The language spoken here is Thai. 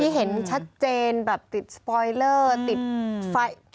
ที่เห็นชัดเจนติดสปอยเลอร์ติดไฟล์